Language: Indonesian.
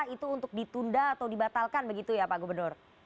itu untuk ditunda atau dibatalkan begitu ya pak gubernur